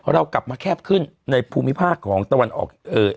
เรากลับมาแคบขึ้นในภูมิภาคของตะวันออก